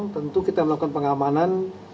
tentu kita melakukan pengamanan